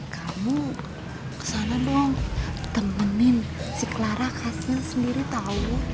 kamu kesana dong temenin si clara kasih sendiri tau